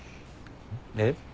えっ？